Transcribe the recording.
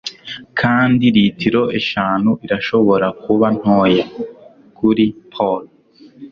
Kandi litiro eshanu irashobora kuba ntoya ... kuri Paul.